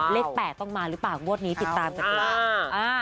เลข๘ต้องมาหรือเปล่างวดนี้ติดตามจากตัว